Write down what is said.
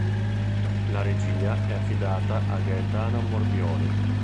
La regia è affidata a Gaetano Morbioli.